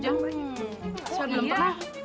oh iya enak banget